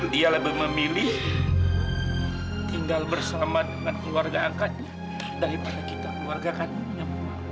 dia lebih memilih tinggal bersama dengan keluarga angkatnya daripada kita keluarga kan